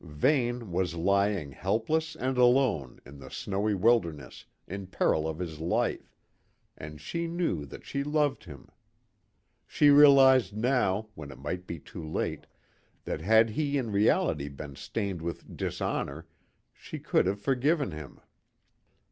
Vane was lying, helpless and alone, in the snowy wilderness, in peril of his life, and she knew that she loved him. She realised now, when it might be too late, that had he in reality been stained with dishonour, she could have forgiven him.